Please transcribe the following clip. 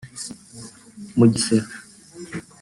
Mugesera